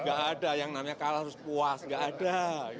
ada yang namanya kalah terus puas gak ada